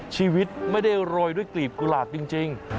ชีวิตไม่ได้โรยด้วยกลีบกุหลาบจริง